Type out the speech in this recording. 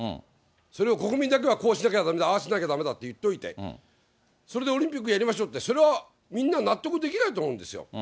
それを国民だけはこうしなきゃだめだ、ああしなきゃだめだって言っておいて、それでオリンピックやりましょうって、それはみんな納得できないと思うんですよ。